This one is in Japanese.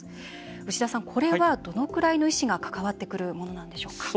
牛田さん、これはどのくらいの医師が関わってくるものなんでしょうか。